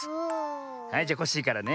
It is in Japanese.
はいじゃコッシーからね。